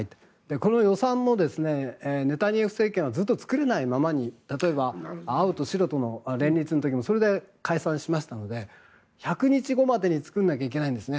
この予算もネタニヤフ政権はずっと作れないままに例えば、青と白との連立の時もそれで解散しましたので１００日後までに作らないといけないんですね。